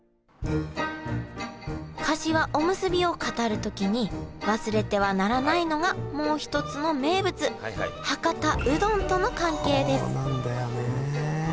かしわおむすびを語る時に忘れてはならないのがもう一つの名物博多うどんとの関係です。